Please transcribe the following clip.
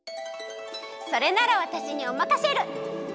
それならわたしにおまかシェル。